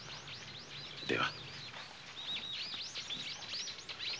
では。